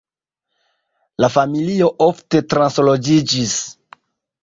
La familio ofte transloĝiĝis.